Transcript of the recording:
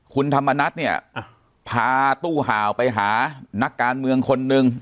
คุณธรรมนัฐเนี่ยพาตู้ห่าวไปหานักการเมืองคนนึง